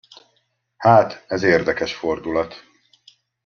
Hát, ez érdekes fordulat.